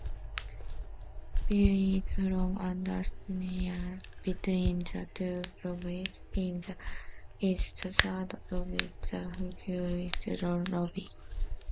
Viewed from underneath between the two lobes is the third lobe the flocculonodular lobe.